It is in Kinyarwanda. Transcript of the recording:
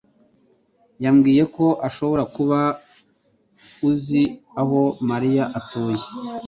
yambwiye ko ushobora kuba uzi aho Mariya atuye.